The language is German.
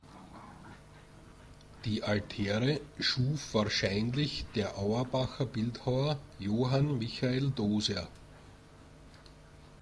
Die Altäre schuf wahrscheinlich der Auerbacher Bildhauer Johann Michael Doser.